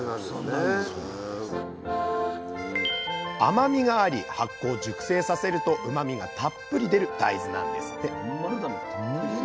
甘みがあり発酵・熟成させるとうまみがたっぷり出る大豆なんですって。